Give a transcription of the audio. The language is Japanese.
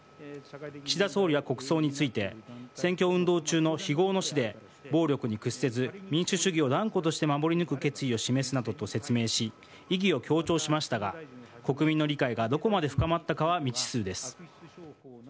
岸田総理は国葬について選挙運動中の非業の死で暴力に屈せず民主主義を断固として守り抜く決意を示すなどと説明し意義を強調しましたが国民の理解がどこまで深まったかは未知数です。